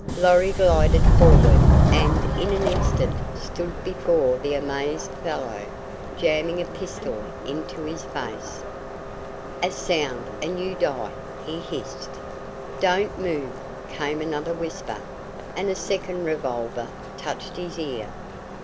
Lorry glided forward and in an instant stood before the amazed fellow, jamming a pistol into his face. "A sound and you die!" he hissed. "Don't move!" came another whisper, and a second revolver touched his ear.